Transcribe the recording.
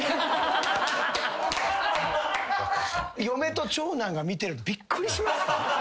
嫁と長男が見てるとびっくりしますから。